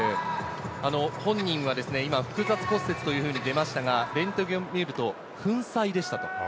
本人は今、複雑骨折というふうに出ましたが、レントゲンを見ると、粉砕でした。